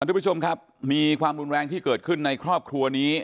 ทุกผู้ชมครับมีความรุนแรงที่เกิดขึ้นในครอบครัวนี้